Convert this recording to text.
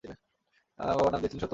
বাবা আমার নাম দিয়াছিলেন সত্যধন।